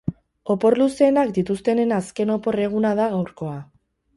Opor luzeenak dituztenen azken opor eguna da gaurkoa.